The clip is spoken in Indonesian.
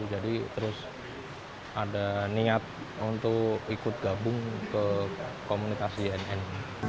jadi terus ada niat untuk ikut gabung ke komunitas jnn